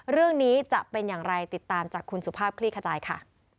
เรื่องนี้จะเป็นอย่างไรติดตามจากคุณสุภาพคลี่ขจายค่ะ